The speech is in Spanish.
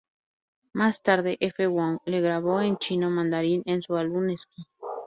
Más tarde, F. Wong la grabó en chino mandarín en su álbum "Sky".